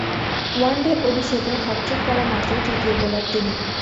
One day অভিষেকে hattrick করা মাত্র তৃতীয় বোলার তিনি।